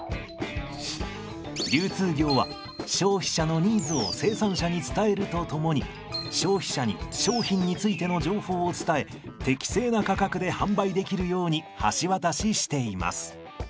流通業は消費者のニーズを生産者に伝えるとともに消費者に商品についての情報を伝え適正な価格で販売できるように橋渡ししています。